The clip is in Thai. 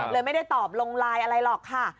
ไม่ได้ตอบลงไลน์อะไรหรอกค่ะ